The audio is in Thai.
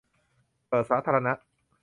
เปิดสาธารณะ